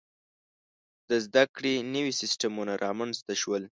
• د زده کړې نوي سیستمونه رامنځته شول.